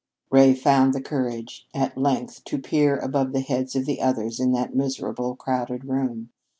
Ray found the courage at length to peer above the heads of the others in that miserable, crowded room.